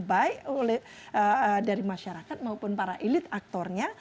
baik dari masyarakat maupun para elit aktornya